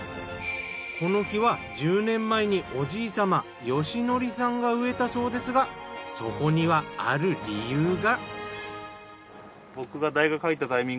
この木は１０年前におじい様芳則さんが植えたそうですがそこにはある理由が。